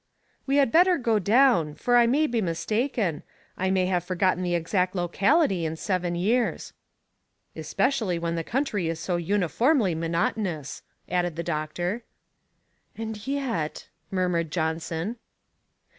"We had better go down, for I may be mistaken. I may have forgotten the exact locality in seven years!" "Especially when the country is so uniformly monotonous!" added the doctor. "And yet " murmured Johnson.